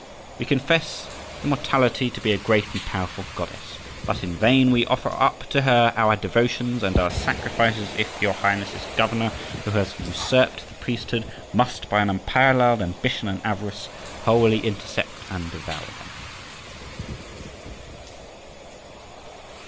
We confess immortality to be a great and powerful goddess, but in vain we offer up to her our devotions and our sacrifices if your Highness's governor, who has usurped the priesthood, must, by an unparalleled ambition and avarice, wholly intercept and devour them.